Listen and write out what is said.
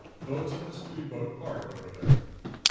Boat's in the speedboat park over there."